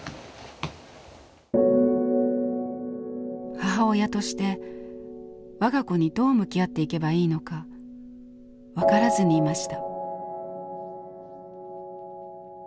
母親として我が子にどう向き合っていけばいいのか分からずにいました。